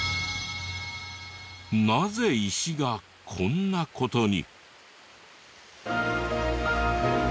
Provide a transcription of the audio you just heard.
なぜ石がこんな事に。